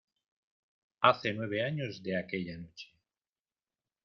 Hace nueve años de aquella noche.